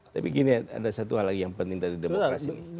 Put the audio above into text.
tapi gini ada satu hal lagi yang penting dari demokrasi ini